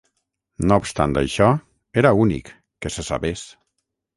No obstant això, era únic, que se sabés.